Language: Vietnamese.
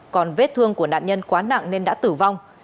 còn vết thương của nạn nhân quá nặng nên đã tử vong